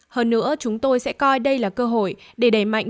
hơn nữa chúng tôi sẽ coi đây là cơ hội để đẩy mạnh